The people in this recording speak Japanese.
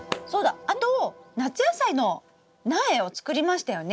あと夏野菜の苗を作りましたよね？